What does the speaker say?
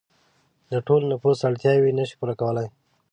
د ټول نفوس اړتیاوې نشي پوره کولای.